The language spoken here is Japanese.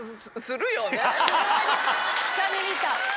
下に見た。